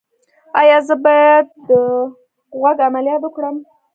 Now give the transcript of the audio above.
ایا زه باید د غوږ عملیات وکړم؟